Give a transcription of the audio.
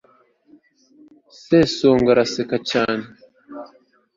sesonga araseka cyane